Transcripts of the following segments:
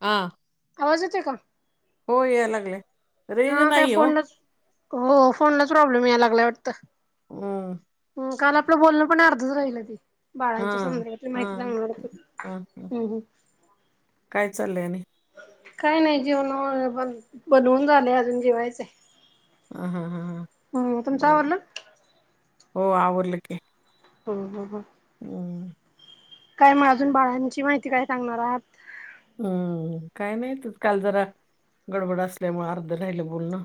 आ आवाज येतोय का? हो यायला लागलाय. हा काय फोनलाच हो फोनला प्रॉब्लेम यायला लागलाय वाटतं. अम्म - मं काल आपलं बोलणं पण अर्धच राहिलं की हा बाळांच्या संदर्भातली हा माहिती सांगणार होतात हा हा. नं हूं हूं काय चाललंय आणि काय नाय जेवण बनू बनवून झाले अजून जेवायचय. ह ह ह ह तुमचं बर आवरलं? हो आवरलं की हं हं हं हम् काय म अजून बाळांची माहिती काय सांगणार आहात. हम्म काय नाय ते काल जरा गडबड असल्यामुळे अर्ध राहिलं बोलण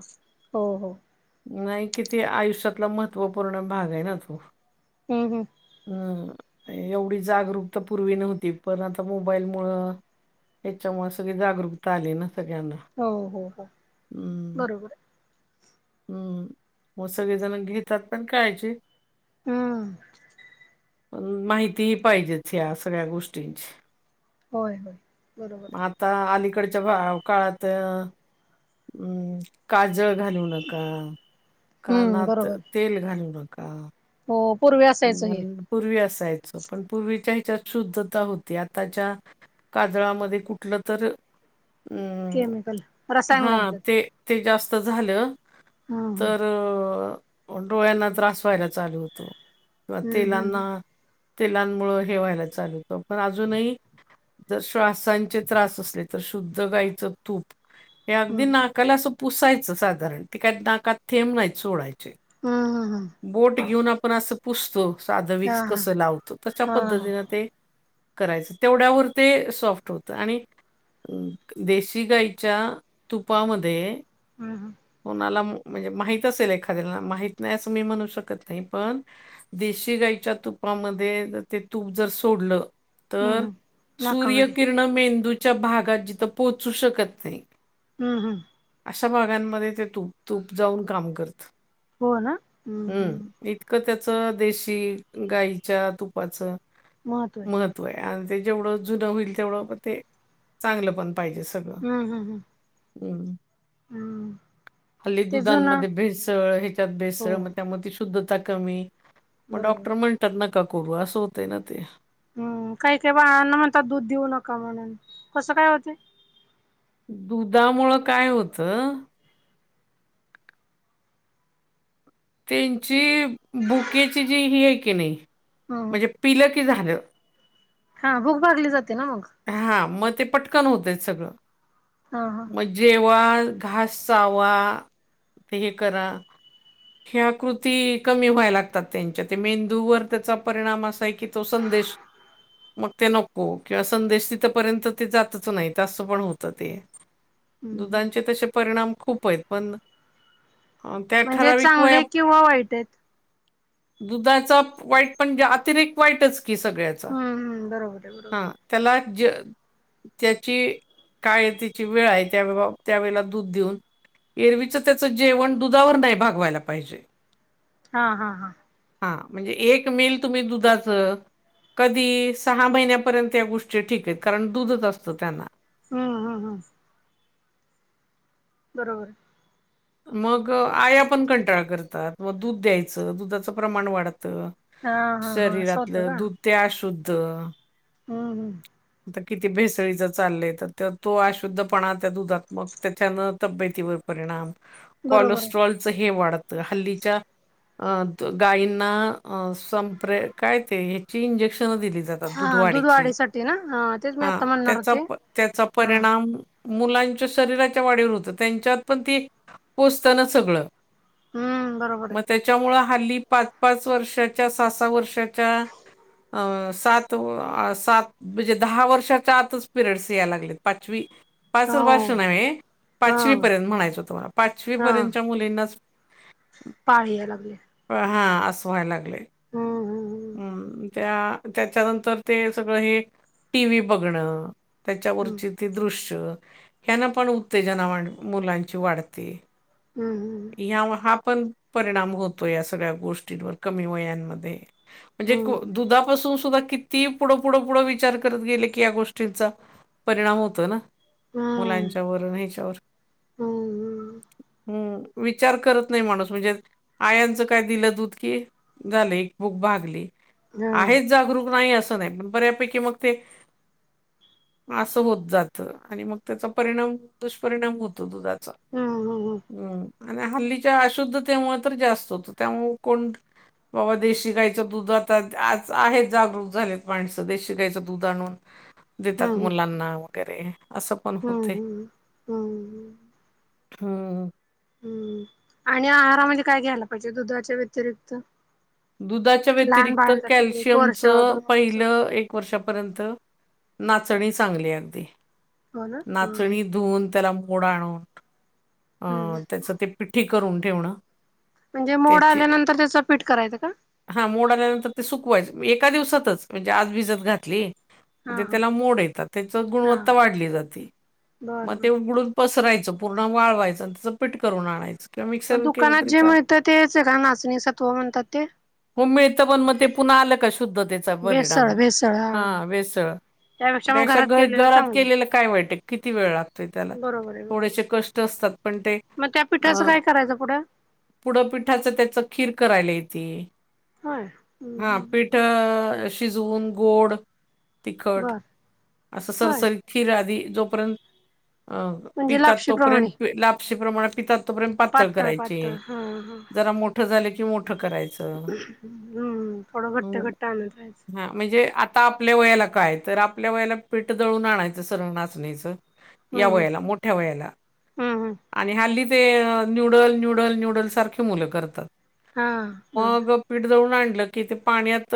हो हो. नाही किती आयुष्यातला महत्त्वपूर्ण भाग आहे ना तो हूं हूं हम् एवढी जागरूकता पूर्वी नव्हती पण आता मोबाईल मुळ याच्यामुळे सगळी जागरूकता आली ना सगळ्यांना हो हो हो हम्म बरोबर आहे. हम्म मग सगळेजण घेतात पण काळजी हम्म पण माहितीही पाहिजेचं ह्या सगळ्या गोष्टींची होय होय बरोबर. मग आता अलीकडच्या भा काळात अ काजळ घालून नका हम्म कानात बरोबर तेल घालू नका हो पूर्वी असं किंवा पूर्वी असायचं पण पूर्वीच्या ह्याच्यात शुद्धता होती आताच्या काजळामध्ये कुठलं तर अ केमिकल रसायन हा घालतात. ते ते जास्त झालं हा हा तर हम्म डोळ्यांना त्रास व्हायला चालू होतो. किंवा तेलांना हम्म तेलांमुळ हे व्हायला चालवतं पण अजूनही जर श्वासांचे त्रास असले तर शुद्ध गायचं तूप हे हम्म अगदी ना कला असं पुसायचं साधारण त काय नाकात थेंब नाही सोडायचे. हा हा हा हा. बोट घेऊन आपण असं पुसतो साध हा विक्स हा कस लावतो तशा हा हा पद्धतीन ते करायच तेवढ्यावर ते सॉफ्ट होतं आणि देशी गाईच्या तुपामध्ये हम्म हम्म कुणाला मं म्हणजे माहित असेल एखाद्या माहित नाही अस कमी म्हणू शकत नाही पण देशी गाईच्या तुपामध्ये जर ते तूप जर सोडलं तर हम्म नाकामध्ये सूर्यकिरर् मेंदूच्या भागात जिथं पोहोचू शकत नाही हम्म हम्म. अशा भागांमध्ये ते तूप तूप जाऊन काम करत. हो ना. हम्म इतकं त्याच देशी गाईच्या तुपाचं महत्व ते जेवढं जुनं होईल तेवढं पण ते चांगलं पण पाहिजे सगळं हम्म हम्म हम्म हम्म. हम्म हल्ली ते जुनं दुधमध्ये भेसळ ह्याच्यात भेस हो मग त्यामध्ये ती शुद्धता कमी मग बरोबर डॉक्टर म्हणतात नका करू असं होतय ना ते. हम् काही काही बाया म्हणतात दूध देऊ नका म्हणून कसं काय होते. दुधामुळ काय होतं ते त्यांची भुकेची जी ही आहे की नाही हम्म म्हणजे पिलं की झालं. हा भूक भागली जाते ना मग. हा मग ते पटकन होतय सगळं. हा हा. मग जेव्हा घास चावा ते हे करा ह्या कृती कमी व्हाय लागतात त्यांच्या ते मेंदूवर त्याचा परिणाम असा आहे की मूकसंदेश मग ते नको की संदेश तिथपर्यंत ते जातच नाही असं पण होतं ते. हम्म हम्म दुधांचे तशे परिणाम खूप आहेत पण ह त्या म्हणजे ठराविक वया चांगले किंवा वाईट आहेत दुधाचा वाईट म्हणजे अतिरेत वाईटच की सगळ्याचा हम्म हम्म बरोबर आहे बरोबर हा. त्याला ज त्याची काय त्याची वेळ आहे त्या त्यावेेळेला दूध देऊन एरवीचं त्याचं जेवण दुधावर नाही भागवायला पाहिजे. हा हा हा. हा म्हणजे एक मिल तुम्ही दुधाच कधी सहा महिन्यापर्यंत त्या गोष्टी ठीक कारण दूधच असत त्यांना हा हा हा. बरोबर. मग आया पण कंटाळ करतात मग दूध द्यायचं दुधाचं प्रमाण वाढतं हा हा हा असं होतं शरीरातलं का दुध ते अशुद्ध हम्म हम्म. किती भेसळीच चाललंय तर तो अशुद्धपणा त्या दुधात त्याच्यान तब्येतीवर परिणाम बरोबर आहे. कोलेस्ट्रॉलच हे वाढतं हल्लीच्या अ गायींना संपरे काय ते ह्याची इंजेक्शन दिली दुध वाढीची ते ना हा. तेच मी हा आत्ता म्हणणार त्याचा होते. त्याचा हा परिणाम मुलांच्या शरीराच्या वाढीवर होतं त्यांच्यात पण ती पोचतं ना सगळं. हम्म बरोबर मग आहे त्याच्यामुळ हल्ली पाच पाच वर्षाच्या सहा सहा वर्षाच्या अ सात सात म्हणजे दहा वर्षाच्या आतच पिरियडस यायला लागले पाचवी पाच वर्ष हो नाही हा पाचवी पर्यंत म्हणायचं होत मला पाचवी हा. पर्यंतच्या मुलींना पाळी यायला लागले. हा असं व्हायला लागलेय हम्म. त्या त्याच्यानंतर ते सगळं हे टीव्ही बघणं त्याच्यावरची ते दृश्य ह्यानं पण उत्तेजना वाढ मुलांची वाढते. हम्म हम्म हम्म. ह्यामुळे हा पण परिणाम होतो या सगळ्या गोष्टींवर कमी वयांमध्ये म्हणजे हम्म दुधापासून सुद्धा किती पुढं पुढ पुढं वि विचार करत गेले की या गोष्टीचा परिणाम होतो ना. हम्म मुलांच्या वरून ह्याच्यावर हम्म हम्म विचार करत नाही माणूस म्हणजे आयांचं काय दिलं दूध की झालं एक भूक भागली. हम्म. आहेच जागरूक नाही असं नाही पण बऱ्यापैकी मग ते असं होत जात आणि मग त्याचा परिणाम दुष्परिणाम होतो दुधाचा. हा हा हा हम्म आणि हल्लीच्या अशुद्ध ते मूळ तर जास्त होतो त्यामुळ को बाबा देशी गायचं दूध आता आज आहे जागरूक झालेत माणसं देशी गायचं द दूध आणून देतात हम्म मुलांना वगैरे. असं पण हम्म होते हम्म हम्म हम्म हम्म आणि आहारामध्ये काय घ्यायला पाहिजे दुधाच्या व्यतिरिक्त. दुधाच्या लहान व्यतिरिक्त बाळांसाठी एक कॅल्शियमच वर्ष दोन वर्षासाठी पहिलं एक वर्षापर्यंत नाचणी चांगली अगदी. हो ना हम्म हम्म. नाचणी धुऊून त्याला मोड आणून हम्म अं त्याच ते पिठीठी करून ठेवणं. म्हणजे मोडा त्याची आल्यानंतर त्याचं पीठ करायचं का. हा मोड आल्यानंतर ते सुकवायचे एका दिवसातच म्हणजे आज भिजत घातली. हा हा त्याला मोड येतात त्याच हा गुणवत्ता वाढली जाते बर मग बर. ते उघडून पसरायचं पूर्ण वाळवायचं आणि त्याचं पीठ करून आणायचं. किंवा मग मिक्सर केलं दुकानात तरी जे चालेल म्हहत तेच आहे का नाचणी सत्व म्हणतात ते. हो मिळत पण मग ते पुन्हा आलं का शुद्धतेचा परिणाम भेसळ भेसळ हा भेसळ. मग त्यापेक्षा घरात घ केलेलं घरात चांगलं. केलेलं काय वाईट आहे किती वेळ लागतोय त्याला बरोबर आहे बरोबर थोडेसे आहे. कष्ट असतात. पण ते मग त्या अ पिठाचं काय करायचं पुढं? पुढ पिठाच त्याच खीर करायला येते होय हम्म हा हम्म पीठ शिजून गोड तिखट बर अस होय सरसरीत खीर आधी जोपर्यंत अ म्हणजे पितात लापशी प्रमाणे. तोपर्यंत लापशी प्रमाणात पितात. तोर्यंत पातळ पातळ करायची हा हा जरा मोठ झाल की मो हम्म थोडं घट्ट हम्म. घट्ट आणत राहायचं. हा म्हणजे आता आपल्या वयाला काय तर आपल्या वयाला पीठ दळून आणायचं सरल नाचणीचं. या हम्म वयाला मोठ्या वयाला हम्म हम्म आणि हा लि ते न्यूडल न्यूडल न्यूडल सारखी मुलं करतात हा दोन मग पीठ जळून आणलं की ते पाण्यात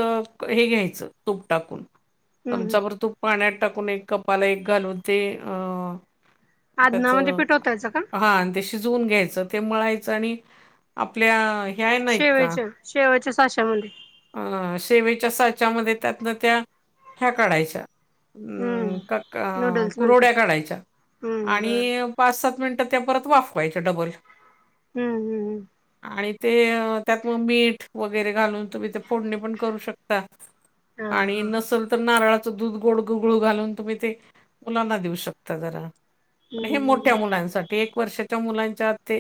हे घ्यायचं तूप टाकून हम्म हम्म आमच्यावरर तू पाण्यात टाकून एक कपाला एक घालून ते अं त्याच आदनामध्ये पिठवतायचं का? हा आणि त्या शिजून घ्यायचं ते मळायचं आणि आपल्या ह्या नाहीत का शेवच्या शेवच्या सशा मु अ शेवीच्या साच्यामध्ये त्यातन त्या ह्या काढायच्या. अम्म का हम्म नूडल्स म्हणतात कुरड्या ते. काढायच्या हम्म आणि बर बर पाच सात मिनिटं त्या परत वाफवायचं डबल. हम्म हम्म हम्म आणि ते त्यात मग मीठ वगैरे घालून. तुम्ही ते फोडणी पण करू शकता हा आणि हा नसल त तर नारळाचं दूध गोड गुगळू घालून तुम्ही ते मुलांना देऊ शकता जरा हम्म हे हम्म मोठ्या मुलांसाठी एक वर्षाच्या मुलांच्या ते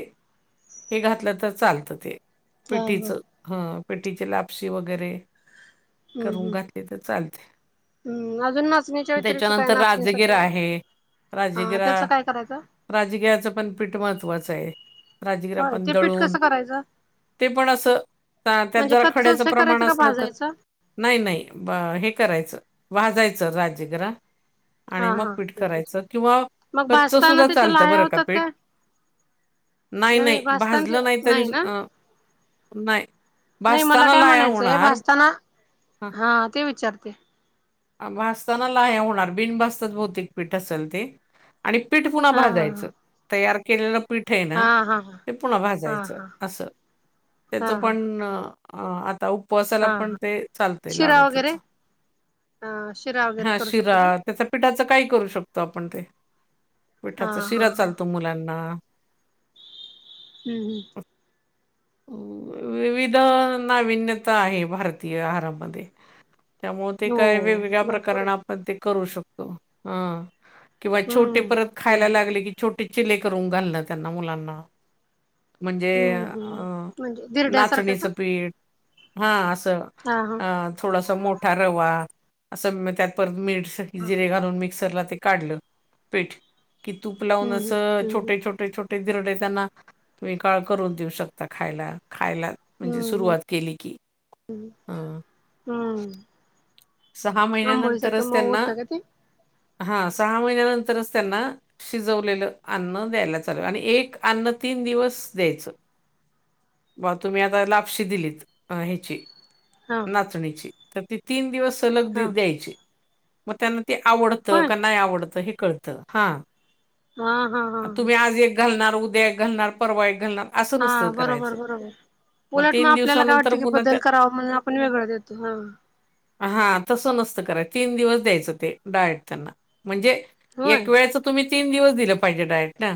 हे घातलं तर चालतं ते हा पिटीच हा हं पेटीचे लापशी वगैरे हम्म करून हम्म घातली तर चालते हम्म अजून नाचणीच्या व्यतिरिक्त काय त्याच्यानंतर नाचणी राजगिरा सत्व आहे हा राजगिरा त्याचं काय करायचं राजगिराचं पण पीठ महत्वाचं आहे राजगिर होय पण ते पीठ दळून कसं करायचं ते पण असं त्यात म्हणजे जरा खड्याचं कच्चच हे प्रमाण करायचं का असलं तर भाजायचं नाही नाही हे करायचं वाजायचं राजीगरा आणि हा मग हा पीठ तेच विचार करायचं किंवा मग कच्च भाजताना सुद्धा त्याच्या चालतं लाह्या बरं का होतात पीठ काय नाही नव्हे नाही भाजताना भाजलं नाही तरी ना नाही नाही मला भजताना काय म्हणायचंय भासताना हा ते विचारते. भासताना ला हे होणार बिनबासताात भौतिक पीठ असेल ते आणि पीठ पुन्हा हा भाजायचं तयार केलेलं. पिठ आहे हा ना हा हा हा ते पुन्हा हा भाजायचं हा असं हा हा त्याचं पण अ आता उपवासाला हा पण हा ते चालतय लाडू त्याच ह शिरा वगैरे हा करू शिरा शकतो काय त्याचा पिठाचं काही करू शकतो आपण ते हा पिठाचा हा शिरा हा चालतो मुलांना हम् हम्. विविध नाविन्यता आहे भारतीय आहारामध्ये त्यामु ते काय हो वेगवेगळ्या भरपूर प्रकारने आहेत आपण ते करू शकतो हं. किंवा छोटे हम्म परत हम्म खायला लागले कि छोटे चिले करून घाललं त्यांना मुलांना म्हणजे हम्म हम्म अ म्हणजे धिरड्यासारखं का नाचणीचं पीठ हा असं. हा हा अ थोडासा मोठा रवा असं त्यात परत मीठ जिरे घालून मिक्सरला ते काढलं पीठ कि तूप लावून हम्म असं हम्म हम्म छोटे छोटे छोटे िरडे त्यांना तुम्ही काळ करून देऊ शकता आता खायला खायला म्हणजे हम्म सुरुवात केली कि अ हम्म सहा आंबोळीसारखं महिन्यानंतरच मऊ त्यांना होतं का ते हा सहा महिन्यानंतरच त्यांना शिजवलेलं अन्न द्यायला चाल आणि एक अन्न तीन दिवस द्यायचं बा तुम्ही आता लापशी दिलीत ह्याची हा तर तिन दिवस सलग हा द्यायची,, मग त्याला ऽ ते आवडत,, होय का नाही आवडतं, हे कळत, हा हा हा हा हा तुम्ही आज एकऽ घालणार, उद्या घालणार परवा, एक घालणारऽ हा,, बरोबर, बरोबर उलट मग आपल्याला काय वाटत दिवसानंतर की पुन्हा बदल कराव. म्हणून आपण वेगळां देतो,,, हांऽ हा,, तसं नसतं करायच, तीन दिवस द्यायचं ते, डायट त्यांना, म्हणजे होय एक वेळच. तुम्ही तीन दिवस दिलं पाहिजे डायट ना.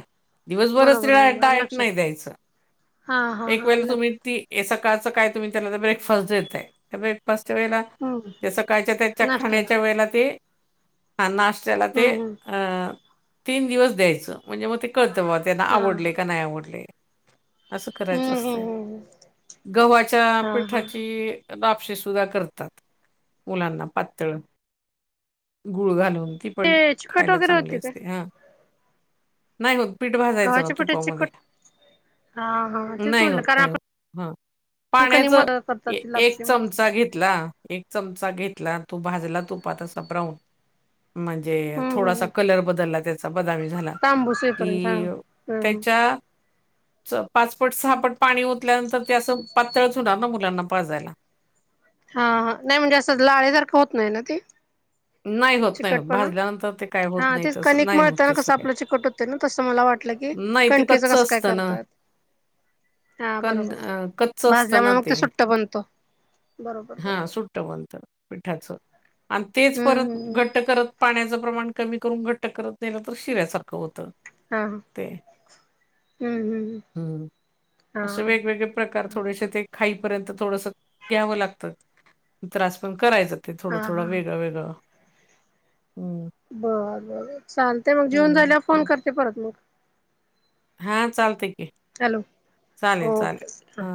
दिवसभरच बरोबर तिला बरोबर आलं डायट नाही लक्षात द्यायचं,, हा हा एक हा वेळेला आलं तुम्ही लक्षात ती. हे सकाळचं काय तुम्ही त्याला तर ब्रेकफास्ट देताय, त्या ब्रेकफास्टच्या वेळेला त्या हम्म सकाळच्या त्याच्या नाश्त्याला खाण्याच्या वेळेला ते, ह नाश्त्याला ते हम्म हम्म अंऽ तीन दिवस द्यायचं,, म्हणजे मग ते कळतं बाबा त्यांना हा आवडले, का नाही आवडले,, असं करायचं हम्म हम्म असतंय,, हम्म गव्हाच्या हा हा पिठाचीऽऽ आपपसेे सुद्धा करतात. मुलांना पातळ गुळ घालून ती. पण ते चिकट खायला वगैरे चांगले होती काय असते हा नाही मग पीठ भाजायचं ना गव्हाच्या पिठाची तुपामध्ये. चिकट हा हा तेच नाही हो म्हटलं कारण नाहीय आपण हा कणी पाण्याच मदत करतात ती एक लापशी म्हणून चमचा घेतला. एक चमचा घेतला तो भाजला तुपातसा ब्राऊन म्हणजे हम्म थोडासा हम्म कलर बदलला त्याचा बदामी झाला तांबूस येईपर्यंत हा कि हम्म त्याच्या पाच पट सहा पट पाणी ओतल्यानंतर ते असं पातळच होणार ना मुलांना पाजायला ऽ हा,, नाही म्हणजे असं लाळे सारख होत नाही ना तेऽ. नाही होत नाही होत चिकटपणा,, भाजल्यानंतर ते काय होत हा नाही तेच तसं कनिक नाही होत मळत ना तसं कसं काय आपलं चिकट होतं ना तसं मला वाटतऽ. म्हटल की, नाही ते कणकेच कच्च कस काय असतं ना करताय? हा, कन बरोबर, कच्च असतं ना भाजल्यामुळे मग ते सुट्ट बनतो, बरोबर बरोबरऽ वंत पिठाच, आणि तेच परत हम्म घट्ट करतऽ. पाण्याचं प्रमाण कमी करून घट्ट करत नाहीलं तर शिळ्यासारखं होतंऽ. हा, ह, हम्म, हम्म ह्ऽ हं. असे वेगवेगळे प्रकार हम्म थोडेसे हम्म तेऽऽ. खाईपर्यंत थोडस घ्यावं लागतं, त्रास पण करायचंऽ ते, हा थोडा, हा हा थोडा हा वेगळ वेगळ,, हम्म. बरं, बर चालतमू मग, जेऊन झाल्यावर फोन करते परत मगऽ हा चालते की, हॅलो चालेल, चालेल ओके ओके हां हा.